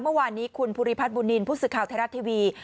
เมื่อวานนี้คุณพุรีพัฒน์บุนนีนพุศึข่าวไทยรัฐทีวี